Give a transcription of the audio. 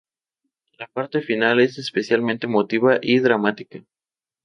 La parte final es especialmente emotiva y dramática.